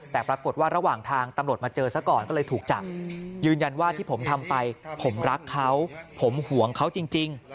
แต่ปรากฏว่าระหว่างทางตำรวจมาเจอซะก่อนก็เลยถูกจับยืนยันว่าที่ผมทำไปผมรักเขาผมห่วงเขาจริง